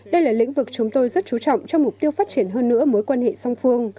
đây là lĩnh vực chúng tôi rất chú trọng cho mục tiêu phát triển hơn nữa mối quan hệ song phương